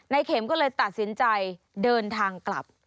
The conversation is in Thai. เข็มก็เลยตัดสินใจเดินทางกลับ